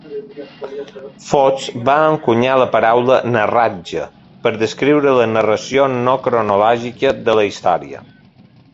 Fox va encunyar la paraula "narratage" per descriure la narració no cronològica de la història.